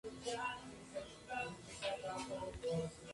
Copy-on-write es útil principalmente en memoria virtual.